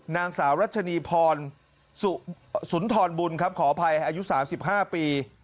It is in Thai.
นางสาวรัชนีพรสุนทรบุญครับขออภัยอายุ๓๕ปี